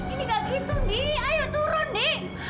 ini gak gitu di ayo turun di